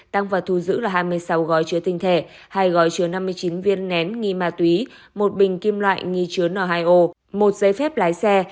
tăng vật thu giữ là hai mươi sáu gói chứa tinh thể hai gói chứa năm mươi chín viên nén nghi ma túy một bình kim loại nghi chứa n hai o một giấy phép lái xe